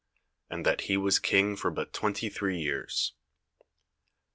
and that he was King for but twenty three years.